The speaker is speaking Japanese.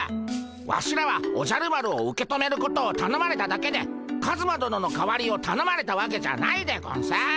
ワシらはおじゃる丸を受け止めることをたのまれただけでカズマ殿の代わりをたのまれたわけじゃないでゴンス。